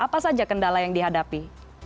apa saja kendala yang dihadapi